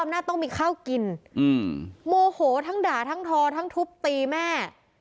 หน้าต้องมีข้าวกินโมโหทั้งด่าทั้งทอทั้งทุบตีแม่